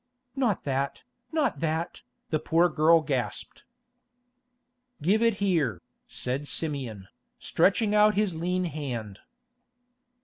"Not that, not that," the poor girl gasped. "Give it here," said Simeon, stretching out his lean hand.